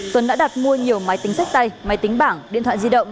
tuấn đã đặt mua nhiều máy tính sách tay máy tính bảng điện thoại di động